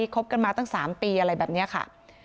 คบกันมาตั้ง๓ปีอะไรแบบนี้ค่ะ